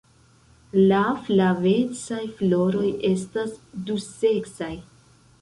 La flavecaj floroj estas duseksaj.